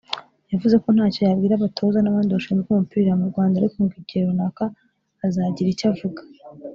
yavuze ko ntacyo yabwira abatoza n’abandi bashinzwe umupira mu Rwanda ariko ngo igihe runaka azagira icyo avuga